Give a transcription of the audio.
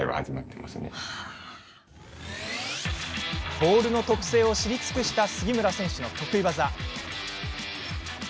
ボールの特性を知り尽くした杉村選手の得意技。